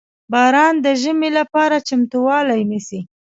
• باران د ژمي لپاره چمتووالی نیسي.